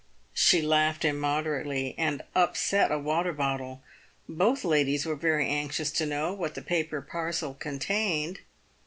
She laughed immoderately, and upset a water bottle. Both the ladies were very anxious to know what the paper parcel contained.